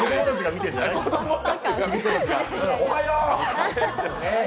おはよう！